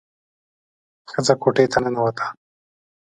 ښځه کوټې ته ننوته.